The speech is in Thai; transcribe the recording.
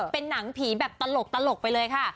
เป็นหนังผีตลกเอาไปเลยคะ